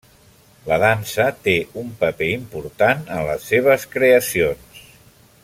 La dansa té un paper important en les seves creacions.